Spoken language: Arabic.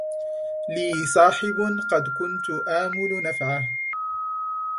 لي صاحب قد كنت آمل نفعه